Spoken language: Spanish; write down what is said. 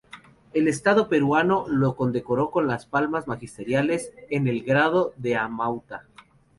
El Estado peruano lo condecoró con las Palmas Magisteriales, en el grado de Amauta..